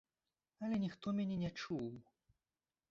Але ніхто мяне не чуў.